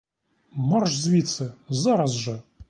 Марш звідси зараз же.